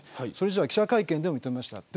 記者会見でも言っていました。